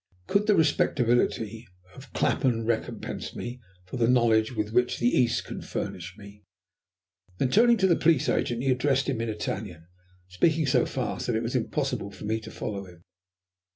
Could the respectability of Clapham recompense me for the knowledge with which the East can furnish me?" Then turning to the Police Agent he addressed him in Italian, speaking so fast that it was impossible for me to follow him.